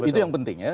itu yang penting ya